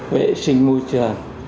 vệ sinh môi trường